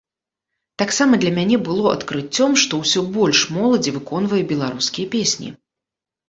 Таксама для мяне было адкрыццём, што ўсё больш моладзі выконвае беларускія песні.